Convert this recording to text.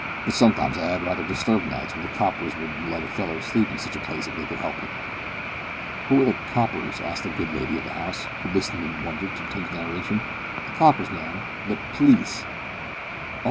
But sometimes I 'ad raither disturbed nights, 'cause the coppers wouldn't let a feller sleep in sitch places if they could 'elp it." "Who are the `coppers?'" asked the good lady of the house, who listened in wonder to Tim's narration. "The coppers, ma'am, the the pl'eece." "Oh!